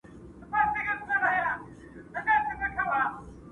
در بخښلی په ازل کي یې قدرت دئ،